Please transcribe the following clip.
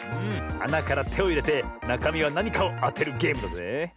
あなからてをいれてなかみはなにかをあてるゲームだぜえ。